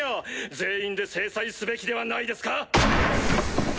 全員で制裁すべきではないですか？